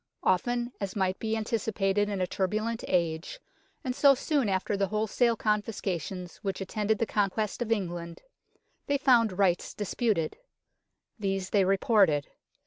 Often, as might be anticipated in a turbulent age, and so soon after the whole sale confiscations which attended the conquest of England, they found rights disputed. These they reported.